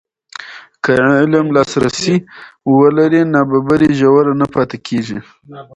که علم لاسرسی ولري، نابرابري ژوره نه پاتې کېږي.